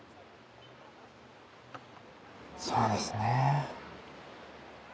そうですね。